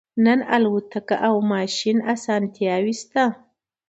نن الوتکه او ماشین او اسانتیاوې شته